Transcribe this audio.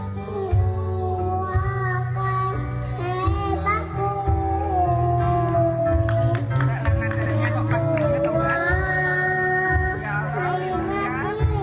nama ku akan hebatku